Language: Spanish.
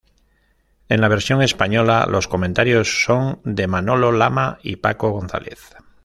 En la versión española, los comentarios son de Manolo Lama y Paco González.